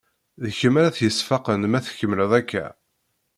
D kemm ara t-yesfaqen ma tkemmleḍ akka.